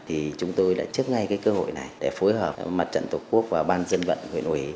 thì chúng tôi đã chấp ngay cái cơ hội này để phối hợp với mặt trận tổ quốc và ban dân vận huyện ủy